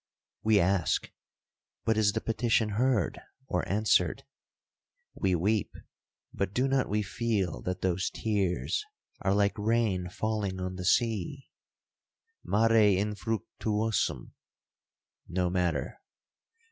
We ask, but is the petition heard or answered? We weep, but do not we feel that those tears are like rain falling on the sea? Mare infructuosum. No matter.